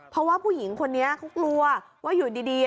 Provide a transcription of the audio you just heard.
เพราะว่าผู้หญิงคนนี้เขากลัวว่าอยู่ดี